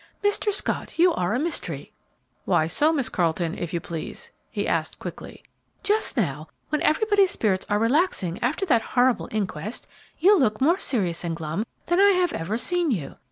"Mr. Scott, you are a mystery!" "Why so, Miss Carleton, if you please?" he asked, quickly. "Just now, when everybody's spirits are relaxing after that horrible inquest, you look more serious and glum than I have ever seen you.